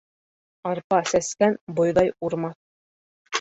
Арпа сәскән бойҙай урмаҫ.